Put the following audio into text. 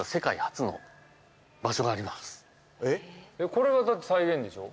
これはだって再現でしょ？